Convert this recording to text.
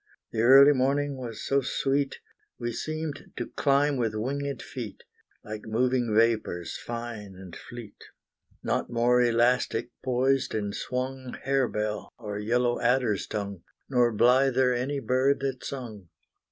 The early morning was so sweet, We seemed to climb with winged feet, Like moving vapors fine and fleet, Not more elastic poised and swung Harebell or yellow adder's tongue, Nor blither any bird that sung.